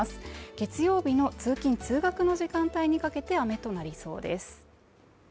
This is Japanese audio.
月曜日の通勤通学の時間帯にかけて雨となりそうです。